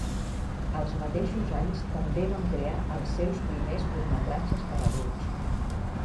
Els mateixos anys també van crear els seus primers curtmetratges per a adults.